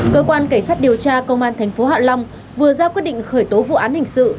cơ quan cảnh sát điều tra công an tp hạ long vừa ra quyết định khởi tố vụ án hình sự